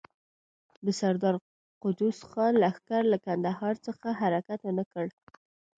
د سردار قدوس خان لښکر له کندهار څخه حرکت ونه کړ.